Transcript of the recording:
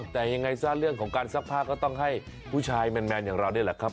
แต่ยังไงซะเรื่องการซักผ้าก็ต้องให้ผู้ชายแมนแหละสัก